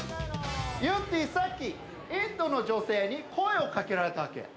ゆってぃ、さっき、インドの女性に声をかけられたわけ。